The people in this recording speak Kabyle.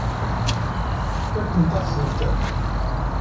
Fakkent-aɣ-tent.